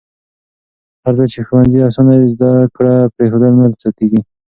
هرځل چې ښوونځي اسانه وي، زده کړه پرېښودل نه زیاتېږي.